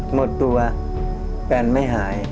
หมดตัวแฟนไม่หาย